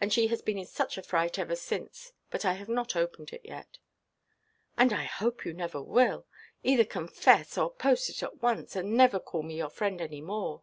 And she has been in such a fright ever since; but I have not opened it yet." "And I hope you never will. Either confess, or post it at once, or never call me your friend any more."